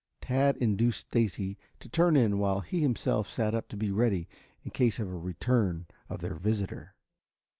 Tad induced Stacy to turn in while he himself sat up to be ready in case of a return of their visitor.